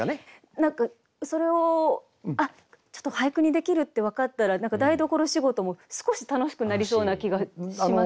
何かそれをあっちょっと俳句にできるって分かったら台所仕事も少し楽しくなりそうな気がします。